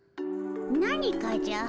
何かじゃ。